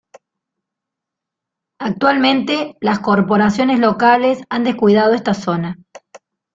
Actualmente, las corporaciones locales han descuidado esta zona.